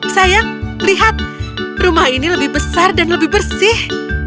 sayang lihat rumah ini lebih besar dan lebih bersih